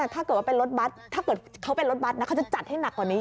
ถ้าเกิดเขาเป็นรถบัสเขาจะจัดให้หนักกว่านี้